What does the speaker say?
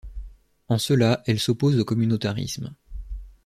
En cela elle s’oppose au communautarisme.